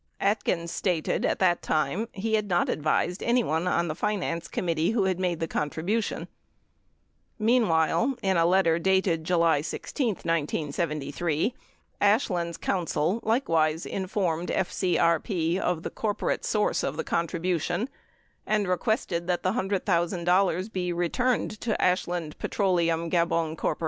Atkins stated at that time he had not advised anyone on the finance committee who had made the con tribution. 38 Meanwhile, in a letter dated July 16, 1973, Ashland's counsel likewise informed FCRP of the corporate source of the con tribution and requested that the $100,000 be returned to Ashland Petro leum Gabon Corp.